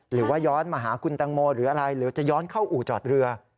หรือว่าย้อนมาหาคุณแตงโมหรืออะไรหรือจะย้อนเข้าอู่จอดเรือ